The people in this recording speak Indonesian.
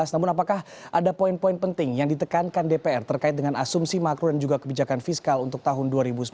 namun apakah ada poin poin penting yang ditekankan dpr terkait dengan asumsi makro dan juga kebijakan fiskal untuk tahun dua ribu sembilan belas